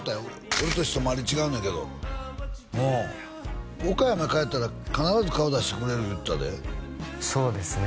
俺と一回り違うねんけど岡山帰ったら必ず顔出してくれる言うてたでそうですね